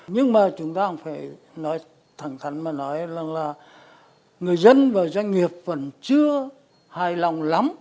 nhưng mà chúng ta cũng phải nói thẳng thắn mà nói rằng là người dân và doanh nghiệp vẫn chưa hài lòng lắm